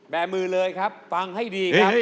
มือเลยครับฟังให้ดีครับ